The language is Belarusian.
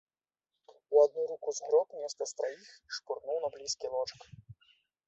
У адну руку згроб нешта з траіх і шпурнуў на блізкі ложак.